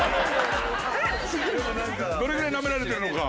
どれぐらいなめられてるのか。